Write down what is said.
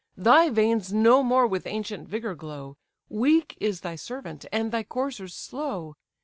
Thy veins no more with ancient vigour glow, Weak is thy servant, and thy coursers slow.